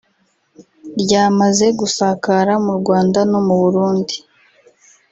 ryamaze gusakara mu Rwanda no mu Burundi